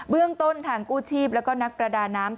เรื่องต้นทางกู้ชีพแล้วก็นักประดาน้ำ